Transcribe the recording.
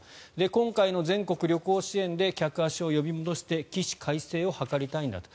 今回の全国旅行支援で客足を呼び戻して起死回生を図りたいんだと。